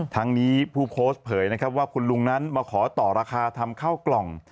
ทั้งนี้ผู้โพสต์เผยนะครับว่าคุณลุงนั้นมาขอต่อราคาทำข้าวกล่อง